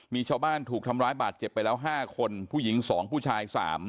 มีชาวบ้านถูกทำร้ายบาดเจ็บไปแล้ว๕คนผู้หญิง๒ผู้ชาย๓